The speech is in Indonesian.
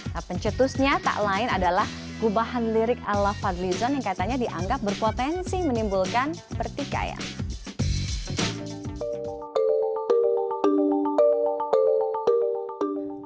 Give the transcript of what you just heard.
tapi pencetusnya tak lain adalah gubahan lirik ala fadli zon yang katanya dianggap berpotensi menimbulkan pertikaian